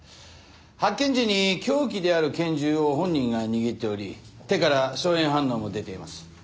発見時に凶器である拳銃を本人が握っており手から硝煙反応も出ています。